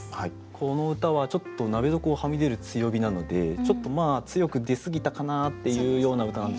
この歌はちょっと「鍋底をはみ出る強火」なのでちょっとまあ強く出すぎたかなっていうような歌なんでしょうね。